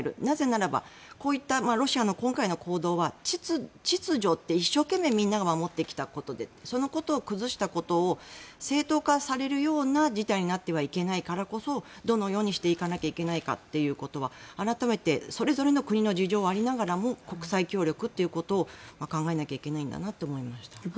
なぜならばこういったロシアの行動は秩序って、一生懸命みんなが守ってきたことでそのことを崩したことを正当化される事態になってはいけないからこそどのようにしていかなければいけないかということは改めて、それぞれの国の事情がありながらも国際協力というのを考えなきゃいけないんだなと思いました。